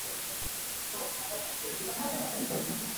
wenye eneo la mita za mraba elfu ishirini na saba